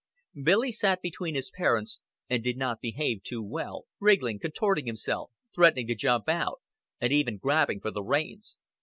Billy sat between his parents, and did not behave too well, wriggling, contorting himself, threatening to jump out, and even grabbing for the reins.